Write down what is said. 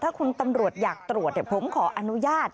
ถ้าคุณตำรวจอยากตรวจผมขออนุญาต